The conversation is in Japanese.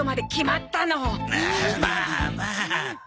まあまあ。